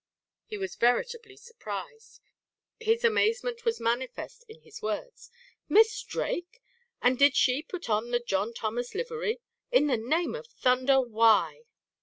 He was veritably surprised; his amazement was manifest in his words: "Miss Drake! And did she put on the John Thomas livery? In the name of thunder, why?"